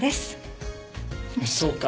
そうか？